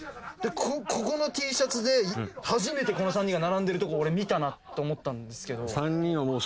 ここのＴシャツで初めてこの３人が並んでるところ俺見たなと思ったんですけど。